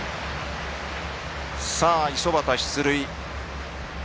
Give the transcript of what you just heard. さあ五十幡、出塁。